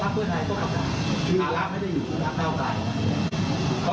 เขาก็ทำหน้าที่มาตามผสม